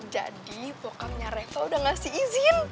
jadi pokoknya reva udah ngasih izin